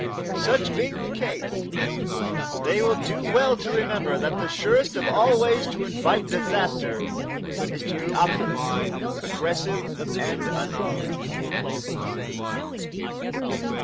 Such being the case, they will do well to remember that the surest of all ways to invite disaster is to be opulent, aggressive and unarmed.